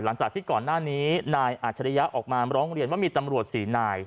หลังจากที่ก่อนหน้านี้นายอาจริยะออกมาร้องเรียนว่ามีตำรวจ๔นาย